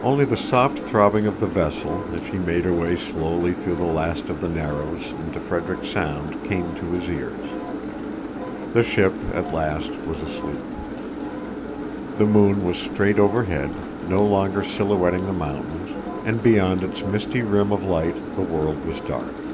Only the soft throbbing of the vessel as she made her way slowly through the last of the Narrows into Frederick Sound came to his ears. The ship, at last, was asleep. The moon was straight overhead, no longer silhouetting the mountains, and beyond its misty rim of light the world was dark.